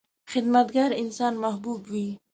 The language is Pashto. • خدمتګار انسان محبوب وي.